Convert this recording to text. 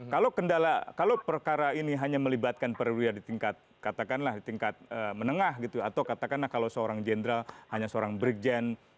kalau kendala kalau perkara ini hanya melibatkan perwira di tingkat katakanlah di tingkat menengah gitu atau katakanlah kalau seorang jenderal hanya seorang brigjen